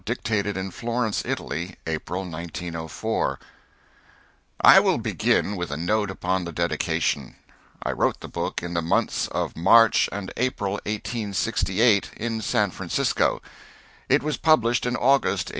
Dictated in Florence, Italy, April, 1904._] I will begin with a note upon the dedication. I wrote the book in the months of March and April, 1868, in San Francisco. It was published in August, 1869.